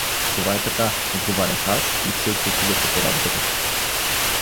— Това е така — отговарях аз и всеки отиваше по работата си.